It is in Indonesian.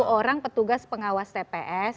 sepuluh orang petugas pengawas tps